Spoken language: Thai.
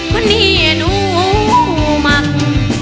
คนนี้หนูมัก